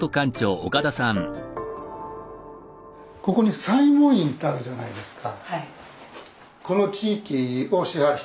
ここに西門院ってあるじゃないですか。